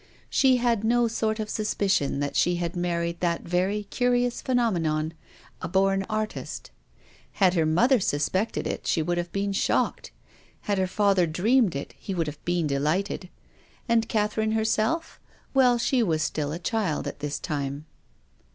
She had no sort of suspicion that she had married that very curious phenomenon — a born artist. Had her mother suspected it s he would have been shocked. Had her father dreamed it he would have been delighted. And Catherine herself ? well, she was still a child at this time.